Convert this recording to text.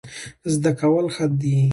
زده کول ښه دی.